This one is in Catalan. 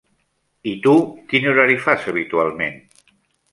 I tu, quin horari fas habitualment?